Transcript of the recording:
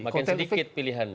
maka sedikit pilihan